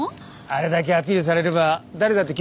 あれだけアピールされれば誰だって気づくよ。